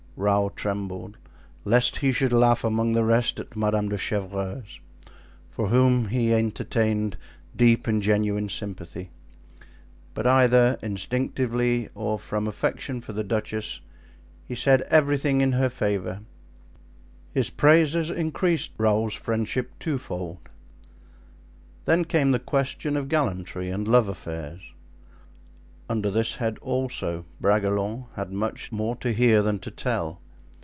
Raoul trembled, lest he should laugh among the rest at Madame de Chevreuse, for whom he entertained deep and genuine sympathy, but either instinctively, or from affection for the duchess, he said everything in her favor. His praises increased Raoul's friendship twofold. Then came the question of gallantry and love affairs. Under this head, also, Bragelonne had much more to hear than to tell.